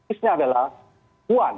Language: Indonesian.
isinya adalah puan